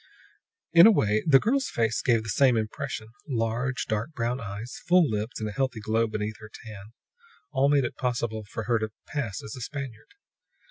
In a way, the girl's face gave the same impression. Large, dark brown eyes, full lips and a healthy glow beneath her tan, all made it possible for her to pass as a Spaniard.